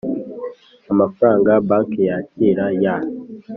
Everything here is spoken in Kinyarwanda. amafaranga banki yakira ya